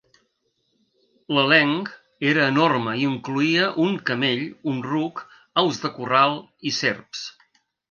L'elenc era enorme i incloïa un camell, un ruc, aus de corral i serps.